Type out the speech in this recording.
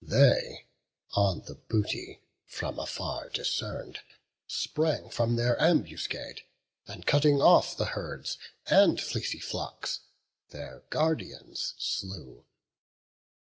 They on the booty, from afar discern'd, Sprang from their ambuscade; and cutting off The herds, and fleecy flocks, their guardians slew.